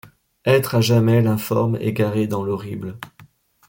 Être à jamais l’informe égaré dans l’horrible